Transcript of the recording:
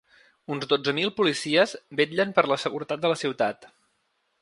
Uns dotze mil policies vetllen per la seguretat de la ciutat.